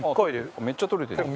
めっちゃ取れてるじゃん！